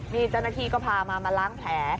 นี่เจ้าหน้าที่ก็พามามาล้างแผล